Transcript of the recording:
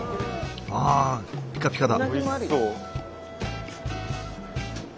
ああピカピカだ。